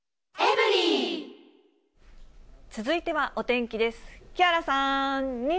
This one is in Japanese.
続いてはお天気です。